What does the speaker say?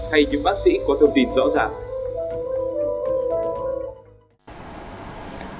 hay những bác sĩ có thông tin rõ ràng